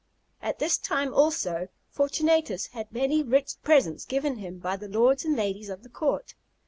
At this time, also, Fortunatus had many rich presents given him by the lords and ladies of the court.